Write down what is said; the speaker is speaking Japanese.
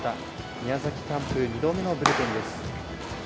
宮崎キャンプ２度目のブルペンです